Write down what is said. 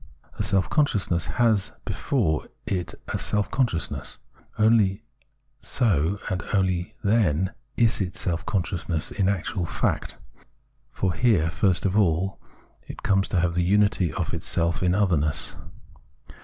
A self consciousness has before it a self consciousness. Only so and only then is it self consciousness in actual fact ; for here first of all it comes to have the unity of itself in its otherness.